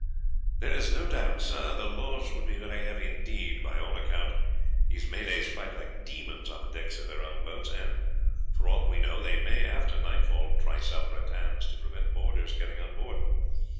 "There is no doubt, sir, the loss would be very heavy indeed; by all accounts, these Malays fight like demons on the decks of their own boats, and, for aught we know, they may, after nightfall, trice up rattans to prevent boarders getting on board.